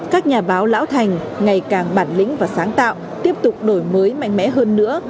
các nhà báo lão thành ngày càng bản lĩnh và sáng tạo tiếp tục đổi mới mạnh mẽ hơn nữa